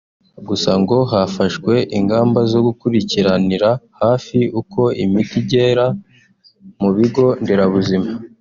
Gusa ngo hafashwe ingamba zo gukurikiranira hafi uko imiti igera mu bigo nderabuzima